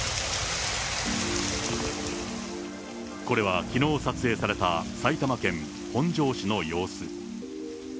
これはきのう撮影された、埼玉県本庄市の様子。